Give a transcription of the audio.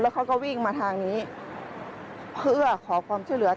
เขาก็วิ่งมาทางนี้เพื่อขอความช่วยเหลือ